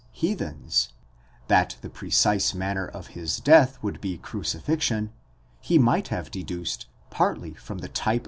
e. heathens; that the precise manner of his death would be crucifixion, he might have deduced, partly from the type.